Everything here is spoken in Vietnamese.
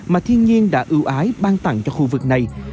mà thiên nhiên đã ưu ái ban tặng cho khu vực này